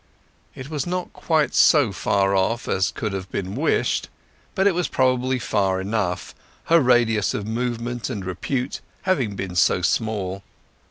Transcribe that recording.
It was not quite so far off as could have been wished; but it was probably far enough, her radius of movement and repute having been so small.